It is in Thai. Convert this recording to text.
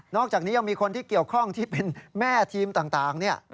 อกจากนี้ยังมีคนที่เกี่ยวข้องที่เป็นแม่ทีมต่าง